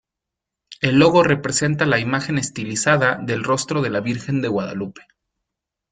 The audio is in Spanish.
El logo representa la imagen estilizada del rostro de la Virgen de Guadalupe.